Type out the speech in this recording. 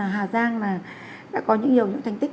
hà giang đã có nhiều những thành tích